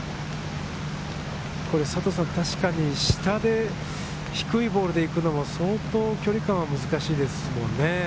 佐藤さん、確かに下で低いボールで行くのは相当、距離感が難しいですもんね。